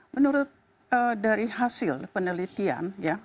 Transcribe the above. menurut dari hasil penelitian